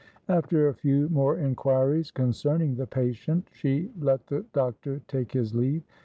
After a few more inquiries concerning the patient, she let the doctor take his leave.